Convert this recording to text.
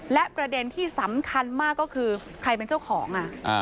และประเด็นที่สำคัญมากก็คือใครเป็นเจ้าของ